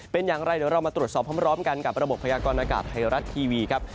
เป็นอย่างไรเดี๋ยวเรามาตรวจสอบพร้อมกันกับระบบพยากรณากาศไทยรัฐทีวีครับ